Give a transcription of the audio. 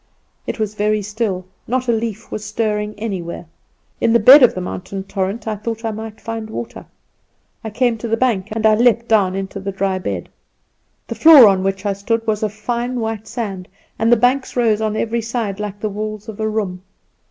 It was very still not a leaf was stirring anywhere. In the bed of the mountain torrent I thought I might find water. I came to the bank, and leaped down into the dry bed. The floor on which I stood was of fine white sand, and the banks rose on every side like the walls of a room.